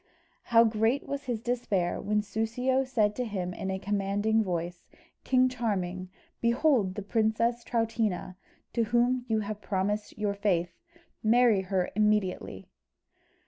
How great was his despair, when Soussio said to him in a commanding voice, "King Charming, behold the princess Troutina, to whom you have promised your faith: marry her immediately!"